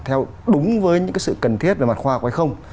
theo đúng với những cái sự cần thiết về mặt khoa học hay không